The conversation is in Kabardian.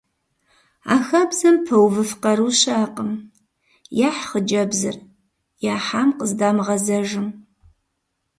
А хабзэм пэувыф къару щыӏэкъым — яхь хъыджэбзыр, яхьам къыздамыгъэзэжым…